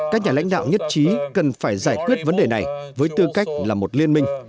các nhà lãnh đạo nhất trí cần phải giải quyết vấn đề này với tư cách là một liên minh